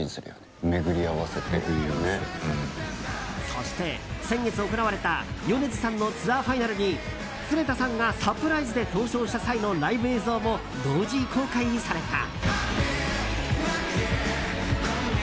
そして先月行われた米津さんのツアーファイナルに常田さんがサプライズで登場した際のライブ映像も同時公開された。